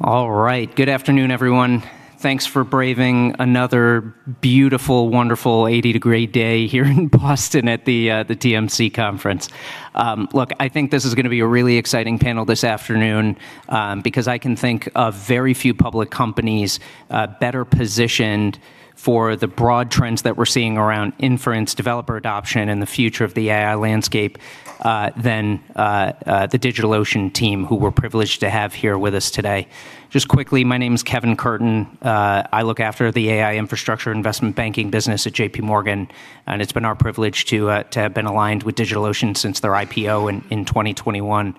All right. Good afternoon, everyone. Thanks for braving another beautiful, wonderful 80-degree day here in Boston at the TMC Conference. Look, I think this is gonna be a really exciting panel this afternoon, because I can think of very few public companies better positioned for the broad trends that we're seeing around inference, developer adoption, and the future of the AI landscape than the DigitalOcean team, who we're privileged to have here with us today. Just quickly, my name's Kevin Curtin. I look after the AI Infrastructure investment banking business at J.P. Morgan, and it's been our privilege to have been aligned with DigitalOcean since their IPO in 2021.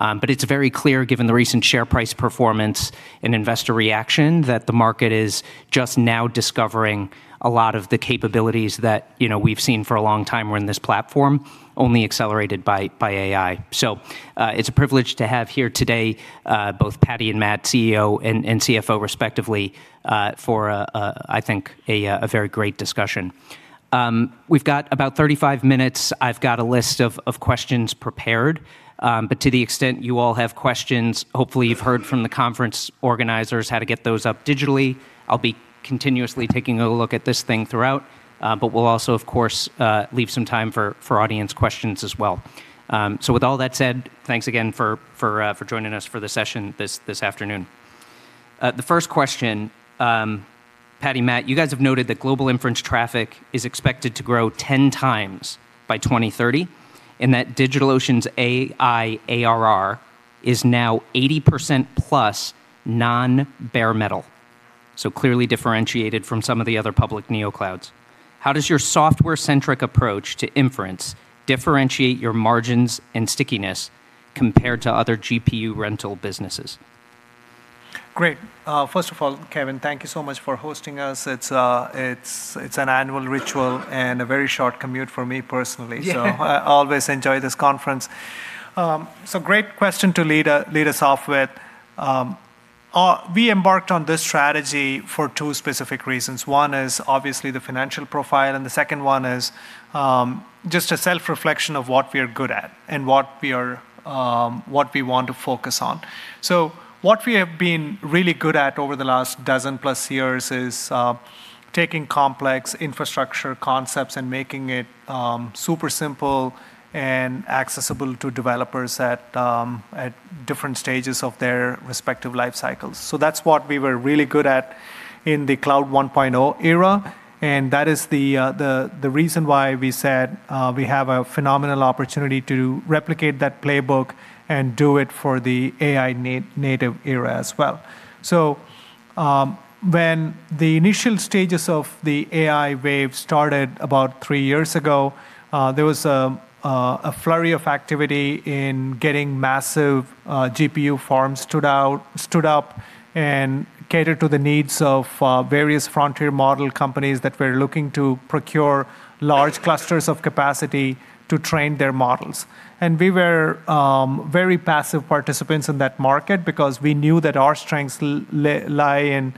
It's very clear, given the recent share price performance and investor reaction, that the market is just now discovering a lot of the capabilities that, you know, we've seen for a long time were in this platform, only accelerated by AI. It's a privilege to have here today both Paddy and Matt, CEO and CFO respectively, for a very great discussion. We've got about 35 minutes. I've got a list of questions prepared. To the extent you all have questions, hopefully you've heard from the conference organizers how to get those up digitally. I'll be continuously taking a look at this thing throughout, but we'll also, of course, leave some time for audience questions as well. With all that said, thanks again for joining us for the session this afternoon. The first question, Paddy, Matt, you guys have noted that global inference traffic is expected to grow 10 times by 2030 and that DigitalOcean's AI ARR is now 80%+ non-bare metal, so clearly differentiated from some of the other public neo clouds. How does your software-centric approach to inference differentiate your margins and stickiness compared to other GPU rental businesses? Great. First of all, Kevin, thank you so much for hosting us. It's an annual ritual and a very short commute for me personally. Yeah. I always enjoy this conference. Great question to lead us off with. We embarked on this strategy for two specific reasons. One is obviously the financial profile, and the second one is just a self-reflection of what we are good at and what we are what we want to focus on. What we have been really good at over the last dozen-plus years is taking complex infrastructure concepts and making it super simple and accessible to developers at different stages of their respective life cycles. That's what we were really good at in the Cloud 1.0 era, and that is the the reason why we said we have a phenomenal opportunity to replicate that playbook and do it for the AI-native era as well. When the initial stages of the AI wave started about three years ago, there was a flurry of activity in getting massive GPU farms stood up and catered to the needs of various frontier model companies that were looking to procure large clusters of capacity to train their models. We were very passive participants in that market because we knew that our strengths lay in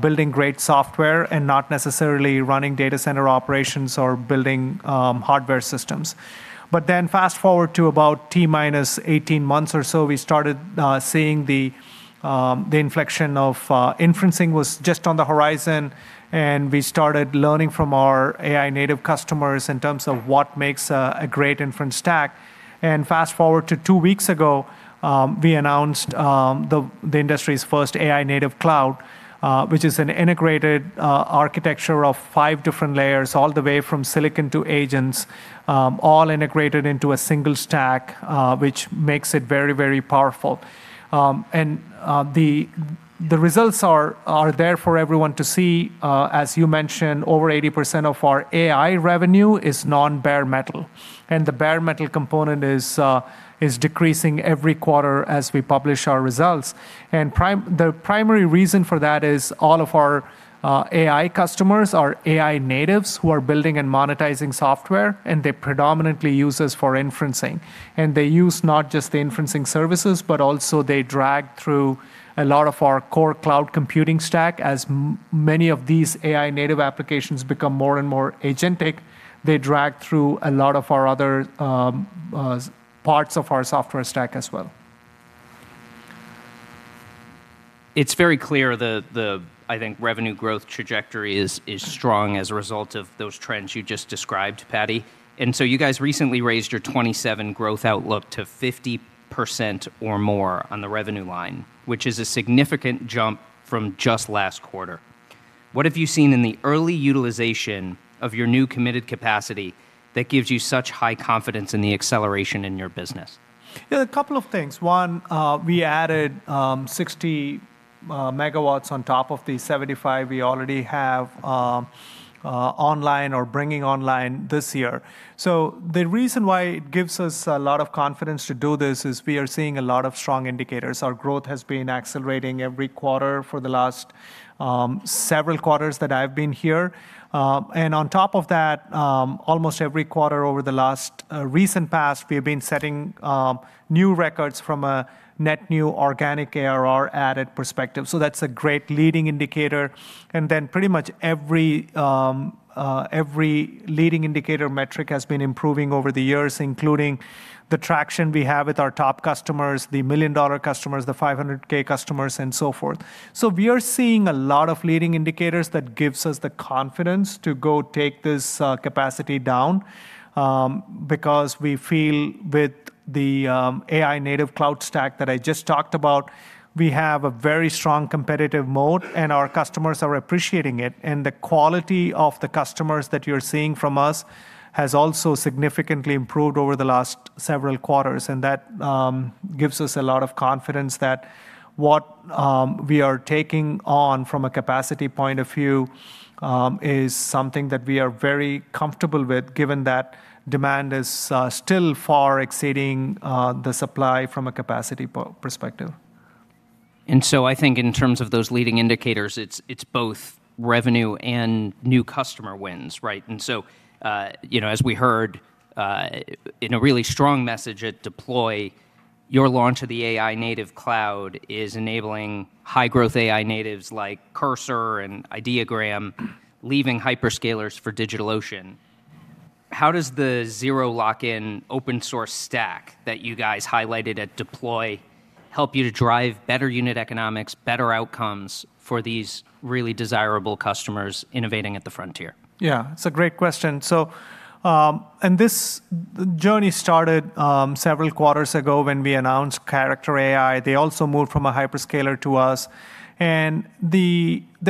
building great software and not necessarily running data center operations or building hardware systems. Fast-forward to about T-minus 18 months or so, we started seeing the inflection of inferencing was just on the horizon, and we started learning from our AI native customers in terms of what makes a great inference stack. Fast-forward to two weeks ago, we announced the industry's first DigitalOcean AI-Native Cloud, which is an integrated architecture of five different layers all the way from silicon to agents, all integrated into a single stack, which makes it very, very powerful. The results are there for everyone to see. As you mentioned, over 80% of our AI revenue is non-bare metal, and the bare metal component is decreasing every quarter as we publish our results. The primary reason for that is all of our AI customers are AI natives who are building and monetizing software, and they predominantly use us for inferencing. They use not just the inferencing services, but also they drag through a lot of our core cloud computing stack. As many of these AI native applications become more and more agentic, they drag through a lot of our other parts of our software stack as well. It's very clear the, I think, revenue growth trajectory is strong as a result of those trends you just described, Paddy. You guys recently raised your 27 growth outlook to 50% or more on the revenue line, which is a significant jump from just last quarter. What have you seen in the early utilization of your new committed capacity that gives you such high confidence in the acceleration in your business? A couple of things. One, we added 60 MW on top of the 75 we already have online or bringing online this year. The reason why it gives us a lot of confidence to do this is we are seeing a lot of strong indicators. Our growth has been accelerating every quarter for the last several quarters that I've been here. On top of that, almost every quarter over the last recent past, we have been setting new records from a net new organic ARR added perspective. That's a great leading indicator, pretty much every leading indicator metric has been improving over the years, including the traction we have with our top customers, the million dollar customers, the 500,000 customers, and so forth. We are seeing a lot of leading indicators that gives us the confidence to go take this capacity down because we feel with the DigitalOcean AI-Native Cloud stack that I just talked about, we have a very strong competitive mode, and our customers are appreciating it. The quality of the customers that you're seeing from us has also significantly improved over the last several quarters, and that gives us a lot of confidence that what we are taking on from a capacity point of view is something that we are very comfortable with given that demand is still far exceeding the supply from a capacity perspective. I think in terms of those leading indicators, it's both revenue and new customer wins, right? As we heard, you know, in a really strong message at Deploy, your launch of the DigitalOcean AI-Native Cloud is enabling high-growth AI natives like Cursor and Ideogram leaving hyperscalers for DigitalOcean. How does the zero lock-in open source stack that you guys highlighted at Deploy help you to drive better unit economics, better outcomes for these really desirable customers innovating at the frontier? Yeah, it's a great question. This journey started several quarters ago when we announced Character.AI. They also moved from a hyperscaler to us. There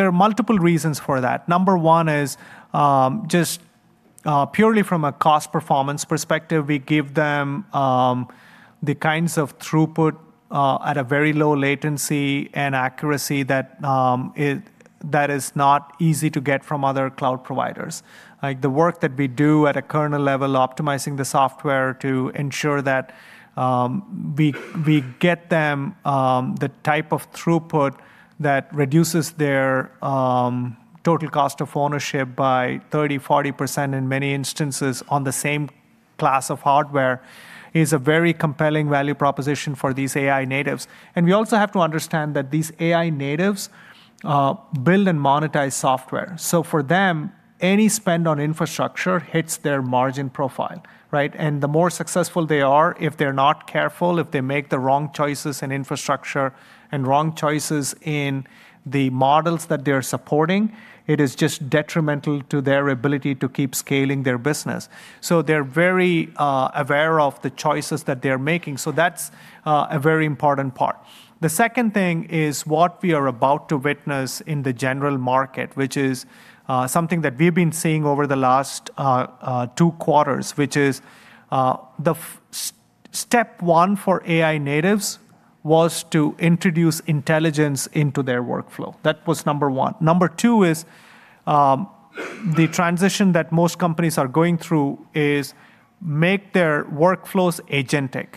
are multiple reasons for that. Number one is, purely from a cost performance perspective, we give them the kinds of throughput at a very low latency and accuracy that is not easy to get from other cloud providers. Like the work that we do at a kernel level, optimizing the software to ensure that we get them the type of throughput that reduces their total cost of ownership by 30%, 40% in many instances on the same class of hardware is a very compelling value proposition for these AI natives. We also have to understand that these AI natives build and monetize software. For them, any spend on infrastructure hits their margin profile, right? The more successful they are, if they're not careful, if they make the wrong choices in infrastructure and wrong choices in the models that they're supporting, it is just detrimental to their ability to keep scaling their business. They're very aware of the choices that they're making. That's a very important part. The second thing is what we are about to witness in the general market, which is something that we've been seeing over the last two quarters, which is step one for AI natives was to introduce intelligence into their workflow. That was number one. Number two is the transition that most companies are going through is make their workflows agentic,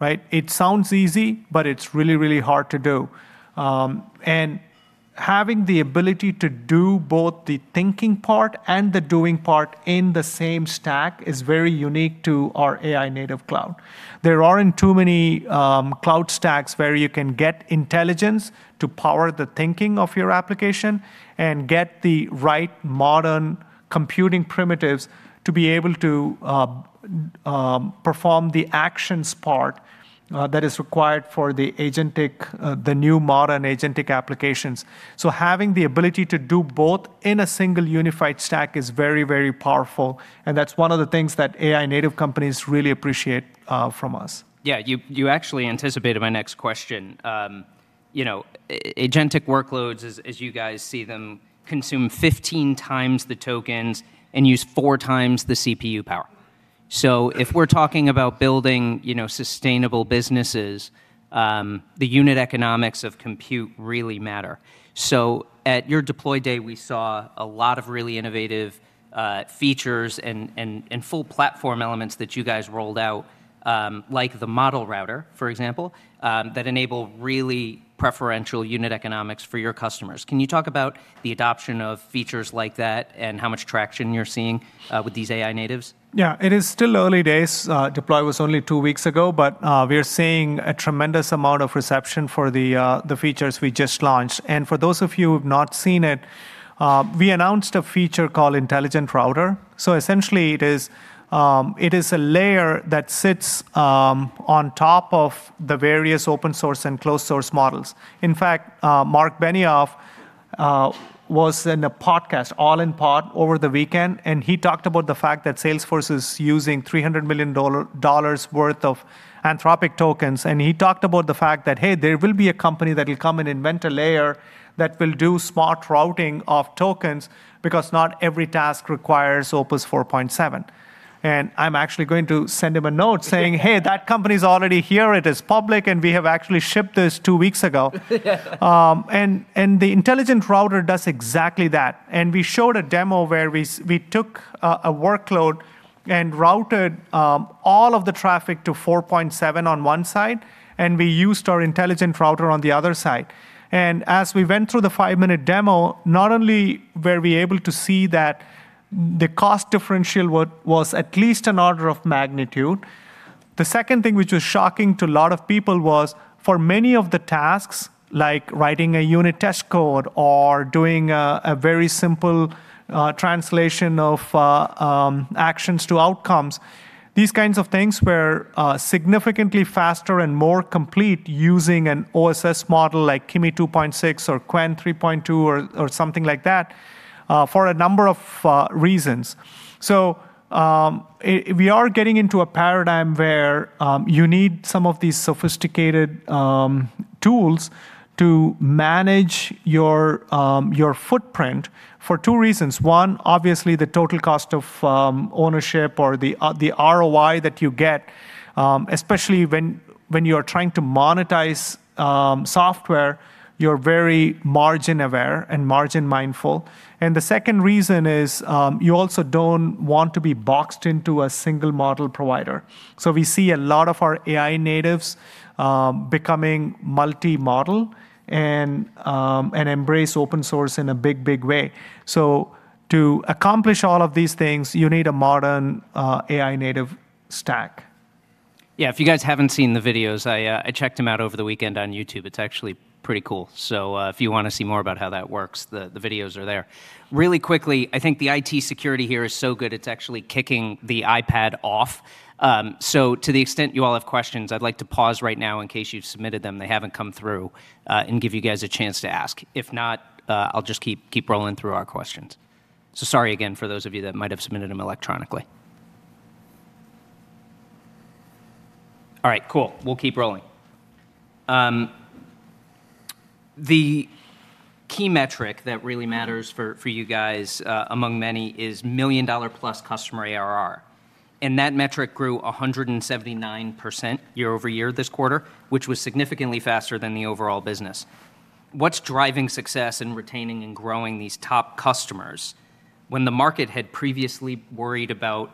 right? It sounds easy, but it's really hard to do. Having the ability to do both the thinking part and the doing part in the same stack is very unique to our AI-Native Cloud. There aren't too many cloud stacks where you can get intelligence to power the thinking of your application and get the right modern computing primitives to be able to perform the actions part that is required for the agentic, the new modern agentic applications. Having the ability to do both in a single unified stack is very, very powerful, and that's one of the things that AI-native companies really appreciate from us. Yeah, you actually anticipated my next question. You know, agentic workloads as you guys see them consume 15 times the tokens and use four times the CPU power. If we're talking about building, you know, sustainable businesses, the unit economics of compute really matter. At your Deploy day, we saw a lot of really innovative features and full platform elements that you guys rolled out, like the model router, for example, that enable really preferential unit economics for your customers. Can you talk about the adoption of features like that and how much traction you're seeing with these AI natives? Yeah. It is still early days. Deploy was only two weeks ago, but we are seeing a tremendous amount of reception for the features we just launched. For those of you who have not seen it, we announced a feature called Inference Router. Essentially it is a layer that sits on top of the various open source and closed source models. In fact, Marc Benioff was in a podcast, All-In Pod, over the weekend, and he talked about the fact that Salesforce is using $300 million worth of Anthropic tokens. He talked about the fact that, hey, there will be a company that will come and invent a layer that will do smart routing of tokens because not every task requires Opus 4.7. I'm actually going to send him a note saying, "Hey, that company's already here. It is public, and we have actually shipped this two weeks ago." The Inference Router does exactly that. We showed a demo where we took a workload and routed all of the traffic to 4.7 on one side, and we used our Inference Router on the other side. As we went through the five-minute demo, not only were we able to see that the cost differential was at least an order of magnitude. The second thing which was shocking to a lot of people was for many of the tasks, like writing a unit test code or doing a very simple translation of actions to outcomes, these kinds of things were significantly faster and more complete using an OSS model like Kimi K2.6 or Qwen 3.2 or something like that for a number of reasons. We are getting into a paradigm where you need some of these sophisticated tools to manage your footprint for two reasons. One, obviously the total cost of ownership or the ROI that you get, especially when you are trying to monetize software, you're very margin aware and margin mindful. The second reason is, you also don't want to be boxed into a single model provider. We see a lot of our AI natives becoming multi-model and embrace open source in a big way. To accomplish all of these things, you need a modern AI native stack. Yeah. If you guys haven't seen the videos, I checked them out over the weekend on YouTube. It's actually pretty cool. If you want to see more about how that works, the videos are there. Really quickly, I think the IT security here is so good, it's actually kicking the iPad off. To the extent you all have questions, I'd like to pause right now in case you've submitted them, they haven't come through, and give you guys a chance to ask. If not, I'll just keep rolling through our questions. Sorry again for those of you that might have submitted them electronically. All right, cool. We'll keep rolling. The key metric that really matters for you guys, among many, is $1 million+ customer ARR. That metric grew 179% year-over-year this quarter, which was significantly faster than the overall business. What's driving success in retaining and growing these top customers when the market had previously worried about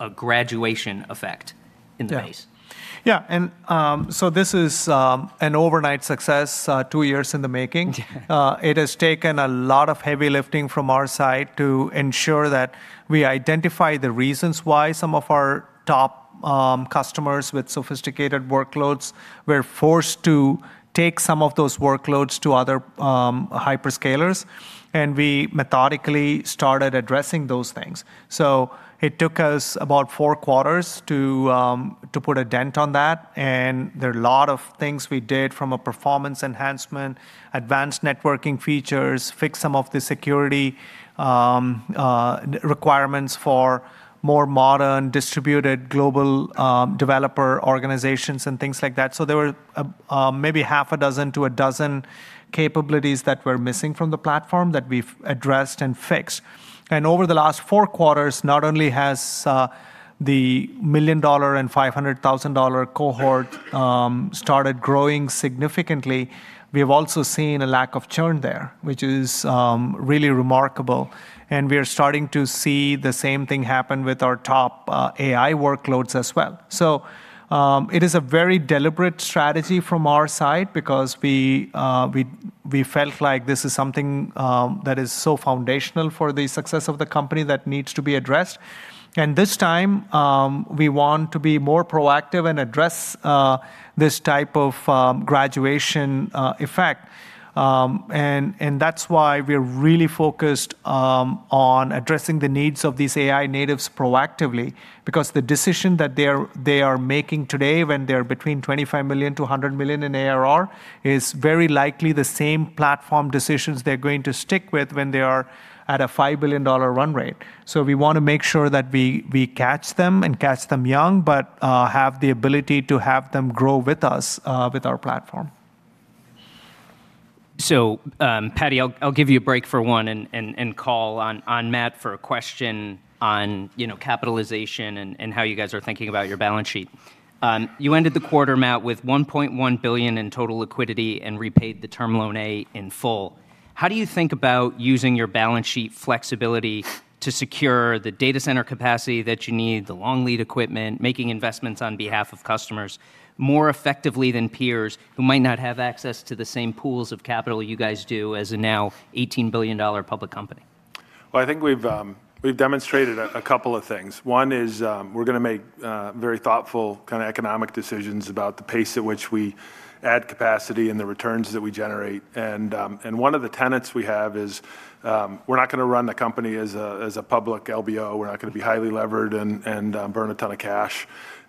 a graduation effect in the base? Yeah. This is an overnight success, two years in the making. It has taken a lot of heavy lifting from our side to ensure that we identify the reasons why some of our top customers with sophisticated workloads were forced to take some of those workloads to other hyperscalers, and we methodically started addressing those things. It took us about four quarters to put a dent on that, and there are a lot of things we did from a performance enhancement, advanced networking features, fixed some of the security requirements for more modern distributed global developer organizations and things like that. There were maybe half a dozen to a dozen capabilities that were missing from the platform that we've addressed and fixed. Over the last four quarters, not only has the million-dollar and $500,000 cohort started growing significantly, we've also seen a lack of churn there, which is really remarkable. We are starting to see the same thing happen with our top AI workloads as well. It is a very deliberate strategy from our side because we felt like this is something that is so foundational for the success of the company that needs to be addressed. This time, we want to be more proactive and address this type of graduation effect. That's why we're really focused on addressing the needs of these AI natives proactively because the decision that they are making today when they're between $25 million-$100 million in ARR is very likely the same platform decisions they're going to stick with when they are at a $5 billion run rate. We wanna make sure that we catch them and catch them young, but have the ability to have them grow with us, with our platform. Paddy, I'll give you a break for one and call on Matt for a question on, you know, capitalization and how you guys are thinking about your balance sheet. You ended the quarter, Matt, with $1.1 billion in total liquidity and repaid the Term Loan A in full. How do you think about using your balance sheet flexibility to secure the data center capacity that you need, the long lead equipment, making investments on behalf of customers more effectively than peers who might not have access to the same pools of capital you guys do as a now $18 billion public company? Well, I think we've demonstrated a couple of things. One is, we're gonna make very thoughtful kinda economic decisions about the pace at which we add capacity and the returns that we generate. One of the tenets we have is, we're not gonna run the company as a public LBO. We're not gonna be highly levered and burn a ton of cash.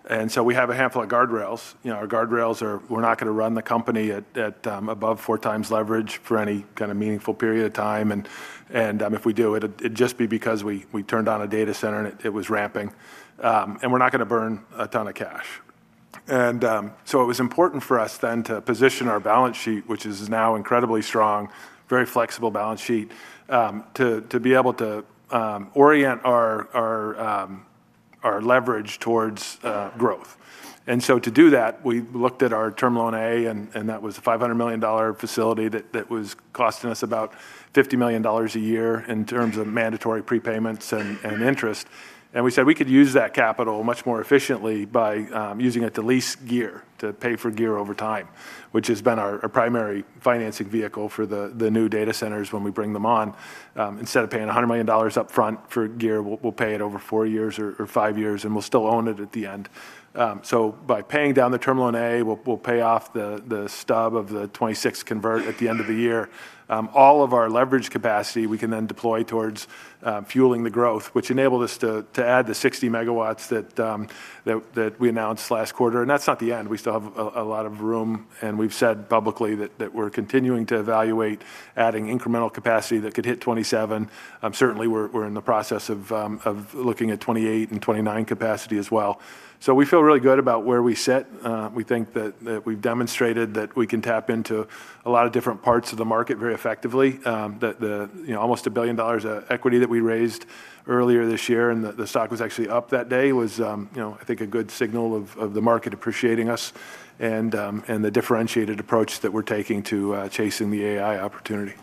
We have a handful of guardrails. You know, our guardrails are we're not gonna run the company at above four times leverage for any kind of meaningful period of time. If we do, it'd just be because we turned on a data center and it was ramping. We're not gonna burn a ton of cash. It was important for us then to position our balance sheet, which is now incredibly strong, very flexible balance sheet, to be able to orient our leverage towards growth. To do that, we looked at our Term Loan A, and that was a $500 million facility that was costing us about $50 million a year in terms of mandatory prepayments and interest. We said we could use that capital much more efficiently by using it to lease gear, to pay for gear over time, which has been our primary financing vehicle for the new data centers when we bring them on. Instead of paying $100 million up front for gear, we'll pay it over four years or five years, and we'll still own it at the end. By paying down the Term Loan A, we'll pay off the stub of the 2026 convert at the end of the year. All of our leverage capacity, we can then deploy towards fueling the growth, which enabled us to add the 60 MW that we announced last quarter. That's not the end. We still have a lot of room, and we've said publicly that we're continuing to evaluate adding incremental capacity that could hit 2027. Certainly we're in the process of looking at 2028 and 2029 capacity as well. We feel really good about where we sit. We think that we've demonstrated that we can tap into a lot of different parts of the market very effectively. You know, almost a billion dollars equity that we raised earlier this year, and the stock was actually up that day, was, you know, I think a good signal of the market appreciating us and the differentiated approach that we're taking to chasing the AI opportunity.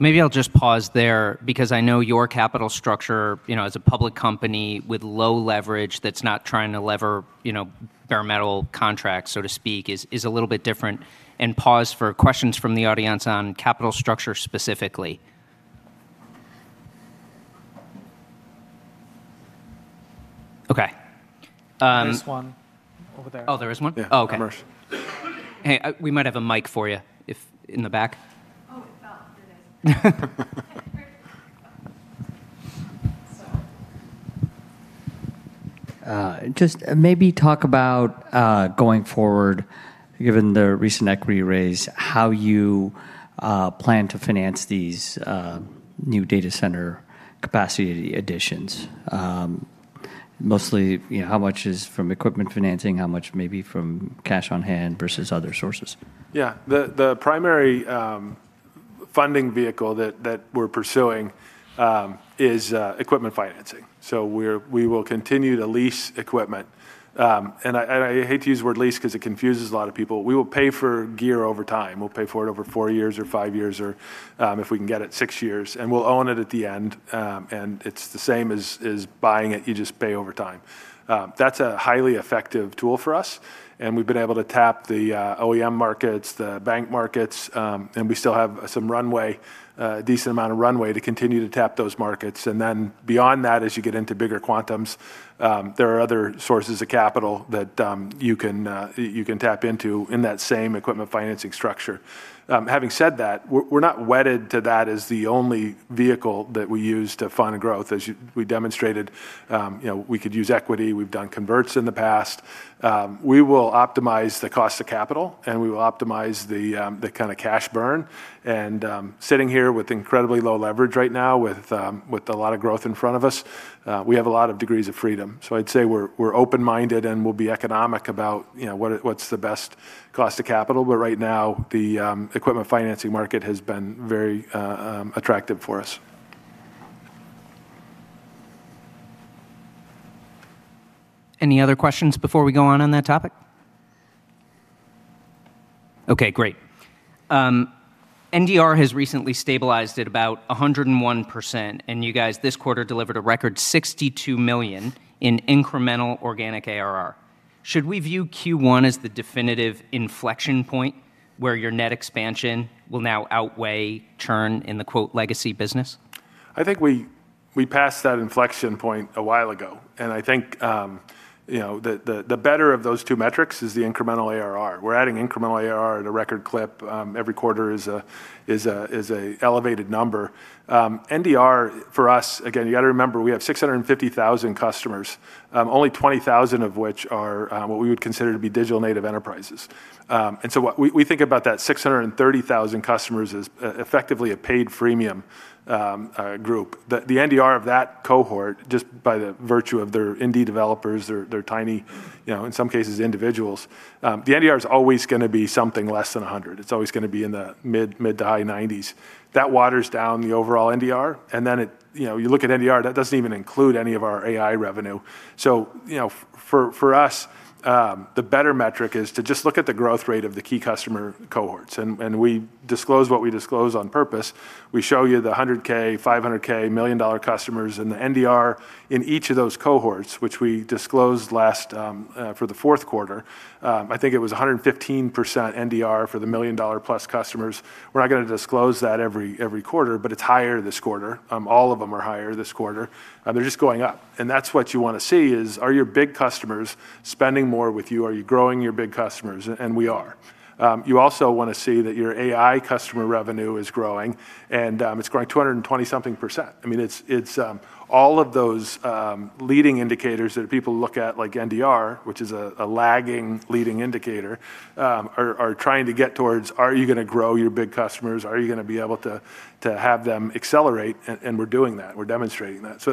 Maybe I'll just pause there because I know your capital structure, you know, as a public company with low leverage that's not trying to lever, you know, bare metal contracts, so to speak, is a little bit different, and pause for questions from the audience on capital structure specifically. Okay. There's one over there. Oh, there is one? Yeah. Oh, okay. Commercial. Hey, we might have a mic for you if in the back. It fell. There it is. Great. Just maybe talk about going forward, given the recent equity raise, how you plan to finance these new data center capacity additions. Mostly, you know, how much is from equipment financing, how much may be from cash on hand versus other sources. Yeah. The primary funding vehicle that we're pursuing is equipment financing. We will continue to lease equipment. I hate to use the word lease 'cause it confuses a lot of people. We will pay for gear over time. We'll pay for it over four years or five years or, if we can get it, six years, and we'll own it at the end. It's the same as buying it, you just pay over time. That's a highly effective tool for us, and we've been able to tap the OEM markets, the bank markets, and we still have some runway, a decent amount of runway to continue to tap those markets. Beyond that, as you get into bigger quantums, there are other sources of capital that you can tap into in that same equipment financing structure. Having said that, we're not wedded to that as the only vehicle that we use to fund growth. As we demonstrated, you know, we could use equity. We've done converts in the past. We will optimize the cost of capital, and we will optimize the kinda cash burn. Sitting here with incredibly low leverage right now with a lot of growth in front of us, we have a lot of degrees of freedom. I'd say we're open-minded, and we'll be economic about, you know, what's the best cost of capital. Right now, the equipment financing market has been very attractive for us. Any other questions before we go on on that topic? Okay, great. NDR has recently stabilized at about 101%. You guys this quarter delivered a record $62 million in incremental organic ARR. Should we view Q1 as the definitive inflection point where your net expansion will now outweigh churn in the "legacy business"? I think we passed that inflection point a while ago, I think, you know, the better of those two metrics is the incremental ARR. We're adding incremental ARR at a record clip. Every quarter is an elevated number. NDR for us, again, you gotta remember, we have 650,000 customers, only 20,000 of which are what we would consider to be digital native enterprises. We think about that 630,000 customers as effectively a paid freemium group. The NDR of that cohort, just by the virtue of they're indie developers, they're tiny, you know, in some cases individuals, the NDR is always gonna be something less than 100. It's always gonna be in the mid to high 90s. That waters down the overall NDR, then it, you look at NDR, that doesn't even include any of our AI revenue. You know, for us, the better metric is to just look at the growth rate of the key customer cohorts. We disclose what we disclose on purpose. We show you the $100,000, $500,000, million-dollar customers and the NDR in each of those cohorts, which we disclosed last for the fourth quarter. I think it was 115% NDR for the million-dollar-plus customers. We're not gonna disclose that every quarter, but it's higher this quarter. All of them are higher this quarter. They're just going up. That's what you wanna see is, are your big customers spending more with you? Are you growing your big customers? We are. You also wanna see that your AI customer revenue is growing, and it's growing 220 something percent. I mean, it's all of those leading indicators that people look at like NDR, which is a lagging leading indicator, are trying to get towards are you gonna grow your big customers? Are you gonna be able to have them accelerate? We're doing that. We're demonstrating that.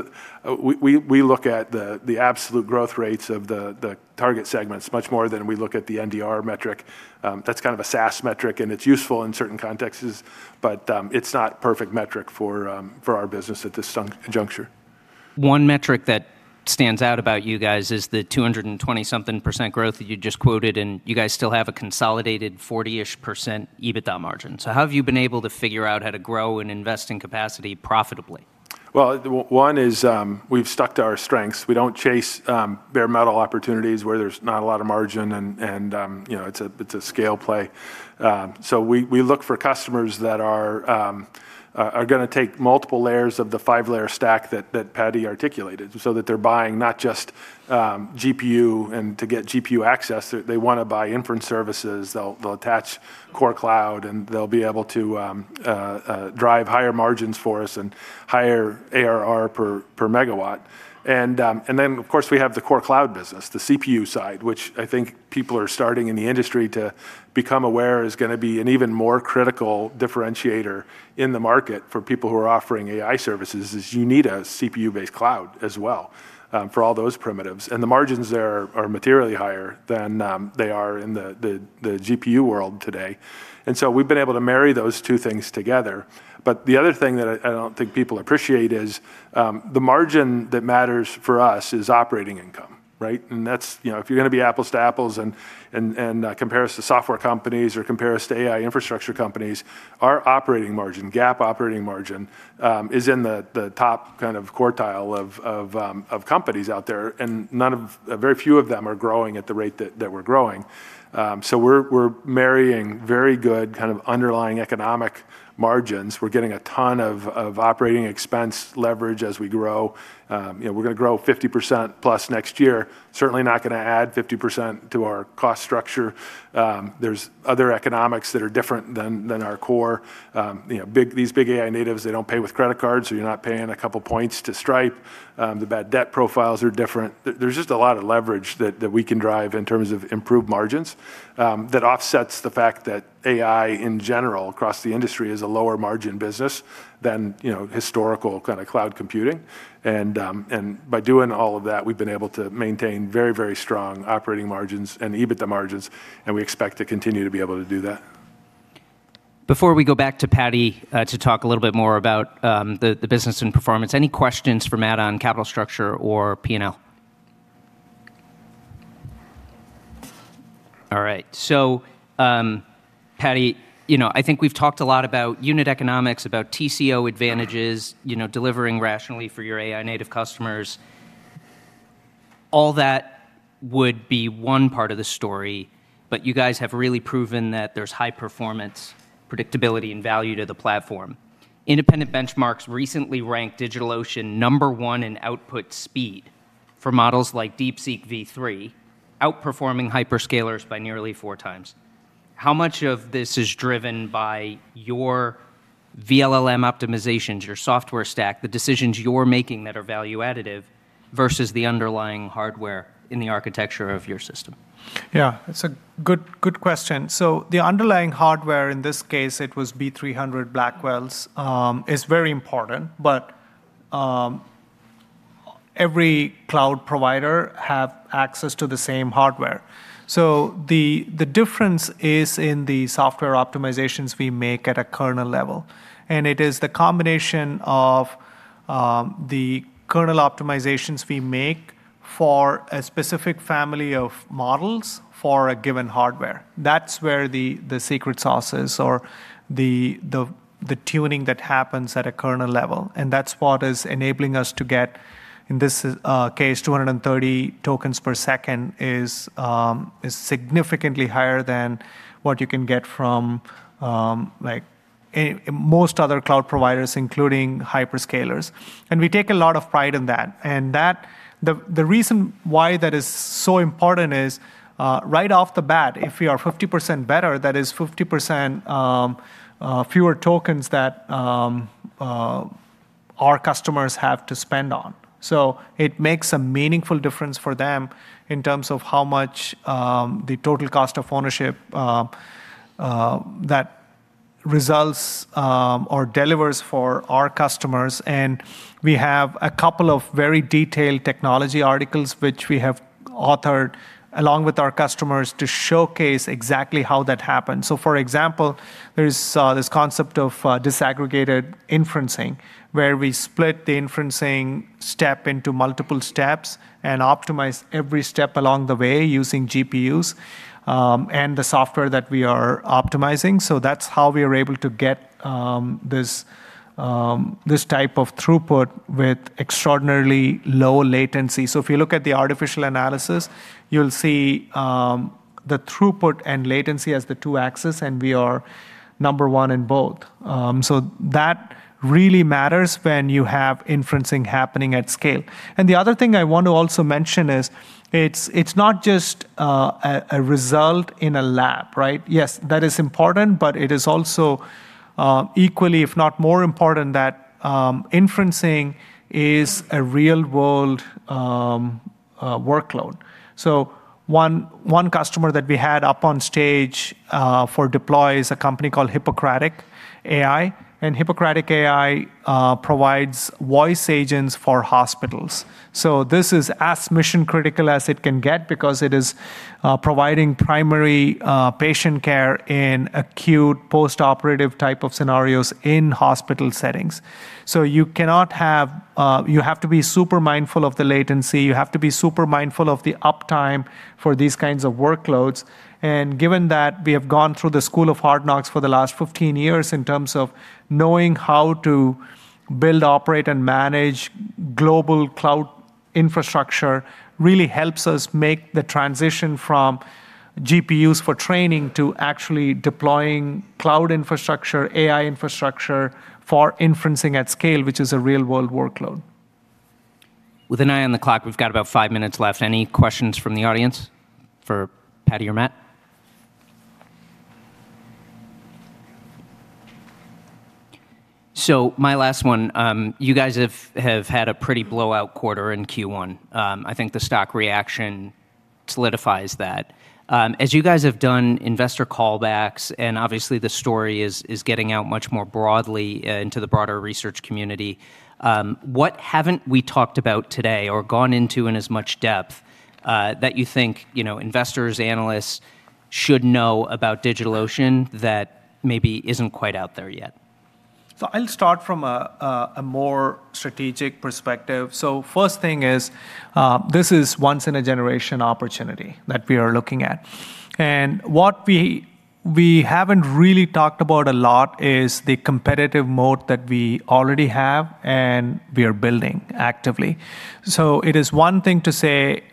We look at the absolute growth rates of the target segments much more than we look at the NDR metric. That's kind of a SaaS metric, and it's useful in certain contexts, but it's not perfect metric for our business at this juncture. One metric that stands out about you guys is the 220-something percent growth that you just quoted, and you guys still have a consolidated 40%-ish EBITDA margin. How have you been able to figure out how to grow and invest in capacity profitably? Well, one is, we've stuck to our strengths. We don't chase bare metal opportunities where there's not a lot of margin and, it's a scale play. We look for customers that are gonna take multiple layers of the five-layer stack that Paddy articulated so that they're buying not just GPU and to get GPU access. They wanna buy inference services. They'll attach core cloud, and they'll be able to drive higher margins for us and higher ARR per megawatt. Then of course, we have the core cloud business, the CPU side, which I think people are starting in the industry to become aware is gonna be an even more critical differentiator in the market for people who are offering AI services, is you need a CPU-based cloud as well for all those primitives. The margins there are materially higher than they are in the GPU world today. We've been able to marry those two things together. The other thing that I don't think people appreciate is the margin that matters for us is operating income, right? That's, you know, if you're going to be apples to apples and compare us to software companies or compare us to AI infrastructure companies, our operating margin, GAAP operating margin, is in the top kind of quartile of companies out there, and very few of them are growing at the rate that we're growing. We're marrying very good kind of underlying economic margins. We're getting a ton of operating expense leverage as we grow. You know, we're going to grow 50%+ next year. Certainly not going to add 50% to our cost structure. There's other economics that are different than our core. You know, these big AI natives, they don't pay with credit cards, so you're not paying a couple points to Stripe. The bad debt profiles are different. There's just a lot of leverage that we can drive in terms of improved margins that offsets the fact that AI in general across the industry is a lower margin business than, you know, historical kind of cloud computing. By doing all of that, we've been able to maintain very, very strong operating margins and EBITDA margins, and we expect to continue to be able to do that. Before we go back to Paddy, to talk a little bit more about the business and performance, any questions for Matt on capital structure or P&L? All right. Paddy, you know, I think we've talked a lot about unit economics, about TCO advantages, you know, delivering rationally for your AI native customers. All that would be one part of the story, you guys have really proven that there's high performance, predictability, and value to the platform. Independent benchmarks recently ranked DigitalOcean number one in output speed for models like DeepSeek-V3, outperforming hyperscalers by nearly four times. How much of this is driven by your vLLM optimizations, your software stack, the decisions you're making that are value additive versus the underlying hardware in the architecture of your system? Yeah, it's a good question. The underlying hardware, in this case it was B300 Blackwells, is very important, but every cloud provider have access to the same hardware. The difference is in the software optimizations we make at a kernel level. It is the combination of the kernel optimizations we make for a specific family of models for a given hardware. That's where the secret sauce is or the tuning that happens at a kernel level. That's what is enabling us to get, in this case, 230 tokens per second is significantly higher than what you can get from like most other cloud providers, including hyperscalers. We take a lot of pride in that. The reason why that is so important is right off the bat, if we are 50% better, that is 50% fewer tokens that our customers have to spend on. It makes a meaningful difference for them in terms of how much the total cost of ownership that results or delivers for our customers. We have a couple of very detailed technology articles which we have authored along with our customers to showcase exactly how that happens. For example, there's this concept of disaggregated inferencing, where we split the inferencing step into multiple steps and optimize every step along the way using GPUs and the software that we are optimizing. That's how we are able to get this type of throughput with extraordinarily low latency. If you look at the Artificial Analysis, you'll see the throughput and latency as the two axes, and we are number one in both. The other thing I want to also mention is it's not just a result in a lab, right? Yes, that is important, but it is also equally, if not more important that inferencing is a real-world workload. One customer that we had up on stage for Deploy is a company called Hippocratic AI, and Hippocratic AI provides voice agents for hospitals. This is as mission-critical as it can get because it is providing primary patient care in acute postoperative type of scenarios in hospital settings. You have to be super mindful of the latency. You have to be super mindful of the uptime for these kinds of workloads. Given that we have gone through the school of hard knocks for the last 15 years in terms of knowing how to build, operate, and manage Global cloud infrastructure really helps us make the transition from GPUs for training to actually deploying cloud infrastructure, AI infrastructure for inferencing at scale, which is a real-world workload. With an eye on the clock, we've got about five minutes left. Any questions from the audience for Paddy or Matt? My last one, you guys have had a pretty blowout quarter in Q1. I think the stock reaction solidifies that. As you guys have done investor callbacks, and obviously the story is getting out much more broadly, into the broader research community, what haven't we talked about today or gone into in as much depth, that you think, you know, investors, analysts should know about DigitalOcean that maybe isn't quite out there yet? I'll start from a more strategic perspective. First thing is, this is once in a generation opportunity that we are looking at. What we haven't really talked about a lot is the competitive moat that we already have and we are building actively. It is one thing to say,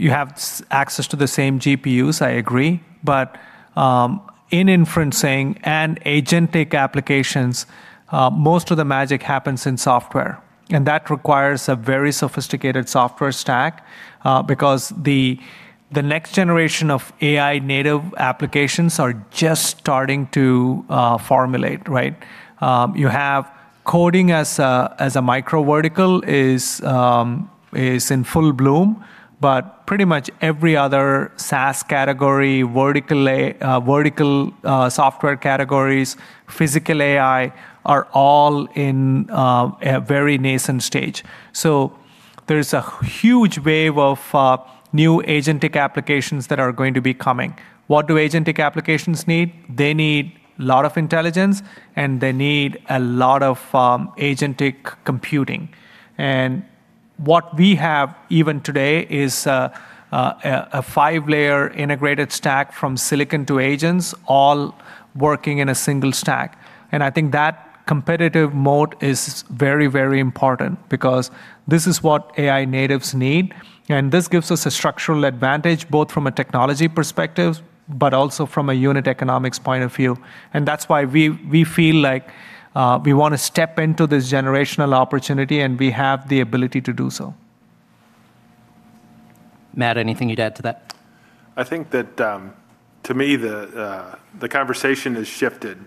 you have access to the same GPUs, I agree. In inferencing and agentic applications, most of the magic happens in software, and that requires a very sophisticated software stack, because the next generation of AI native applications are just starting to formulate, right? You have coding as a micro vertical is in full bloom. Pretty much every other SaaS category, vertical software categories, physical AI, are all in a very nascent stage. There's a huge wave of new agentic applications that are going to be coming. What do agentic applications need? They need lot of intelligence, and they need a lot of agentic computing. What we have even today is a five-layer integrated stack from silicon to agents all working in a single stack. I think that competitive moat is very, very important because this is what AI natives need, and this gives us a structural advantage both from a technology perspective, but also from a unit economics point of view. That's why we feel like we wanna step into this generational opportunity, and we have the ability to do so. Matt, anything you'd add to that? I think that, to me, the conversation has shifted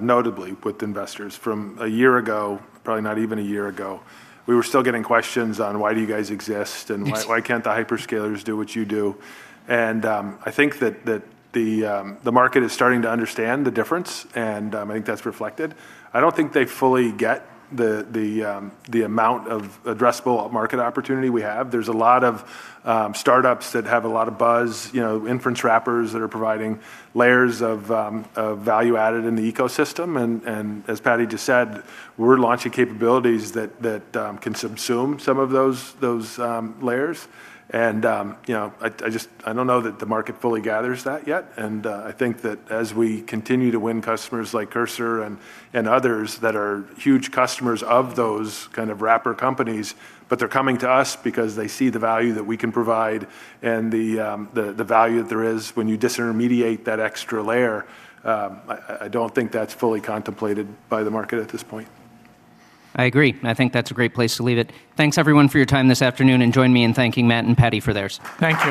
notably with investors from a year ago, probably not even a year ago. We were still getting questions on why do you guys exist and why can't the hyperscalers do what you do? I think that the market is starting to understand the difference, and I think that's reflected. I don't think they fully get the amount of addressable market opportunity we have. There's a lot of startups that have a lot of buzz, you know, inference wrappers that are providing layers of value added in the ecosystem. As Paddy just said, we're launching capabilities that can subsume some of those layers. You know, I just I don't know that the market fully gathers that yet. I think that as we continue to win customers like Cursor and others that are huge customers of those kind of wrapper companies, but they're coming to us because they see the value that we can provide and the value there is when you disintermediate that extra layer, I don't think that's fully contemplated by the market at this point. I agree. I think that's a great place to leave it. Thanks everyone for your time this afternoon, join me in thanking Matt and Paddy for theirs. Thank you.